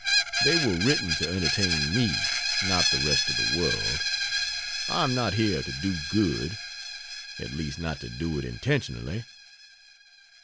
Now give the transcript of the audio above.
They were written to entertain me, not the rest of the world. I am not here to do good at least not to do it intentionally.